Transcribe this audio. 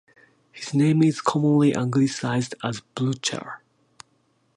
His name is commonly anglicized as "Bluecher".